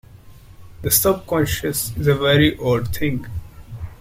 The subconscious is a very odd thing.